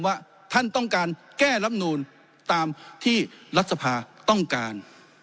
ว่าท่านต้องการแก้ลำนูลตามที่รัฐสภาต้องการ